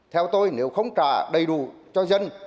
theo tôi nếu không trả đầy đủ cho dân